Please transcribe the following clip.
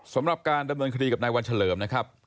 สำหรับการดำเนินคดีกับนายวันเฉลิมนะครับ